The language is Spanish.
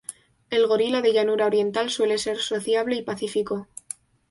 El gorila de llanura oriental suele ser sociable y pacífico.